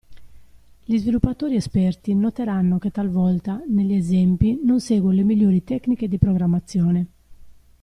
Gli sviluppatori esperti noteranno che talvolta negli esempi non seguo le migliori tecniche di programmazione.